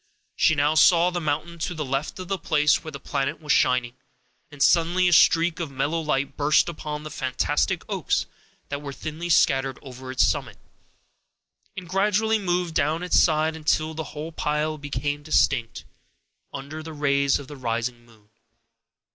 She now saw the mountain to the left of the place where the planet was shining, and suddenly a streak of mellow light burst upon the fantastic oaks that were thinly scattered over its summit, and gradually moved down its side, until the whole pile became distinct under the rays of the rising moon.